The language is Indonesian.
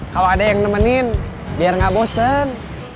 kalo ada yang nemenin biar gak bosen